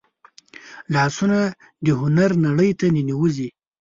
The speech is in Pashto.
لاسونه د هنر نړۍ ته ننوځي